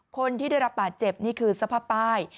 คนที่ได้รับบาดเจ็บนี่คือสภาพป้าย